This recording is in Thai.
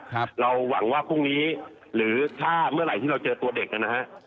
เราหวังว่าพรุ่งนี้หรือถ้าเมื่อไหร่ที่เราเจอตัวเด็กนะฮะ